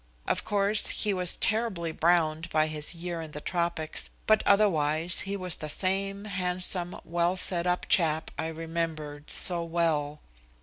Of course he was terribly browned by his year in the tropics, but otherwise he was the same handsome, well set up chap I remembered so well.